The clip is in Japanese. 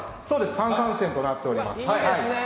炭酸泉となっております。